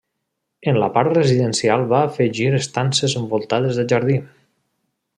En la part residencial va afegir estances envoltades de jardí.